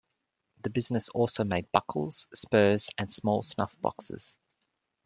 The business also made buckles, spurs and small snuff boxes.